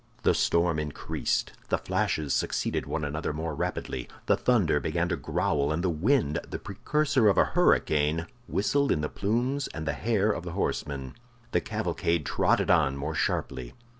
The storm increased, the flashes succeeded one another more rapidly, the thunder began to growl, and the wind, the precursor of a hurricane, whistled in the plumes and the hair of the horsemen. The cavalcade trotted on more sharply.